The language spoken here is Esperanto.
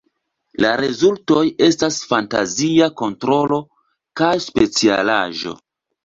La rezultoj estas fantazia kontrolo kaj specialaĵo.